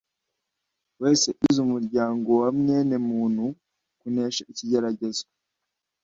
wese ugize umuryango wa mwenemuntu kunesha ikigeragezo.